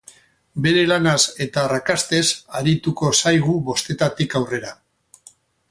Bere lanaz eta arraskastez arituko zaigu bostetatik aurrera.